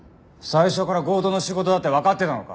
最初から強盗の仕事だってわかってたのか？